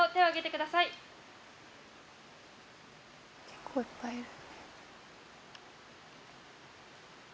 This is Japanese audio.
結構いっぱいいる。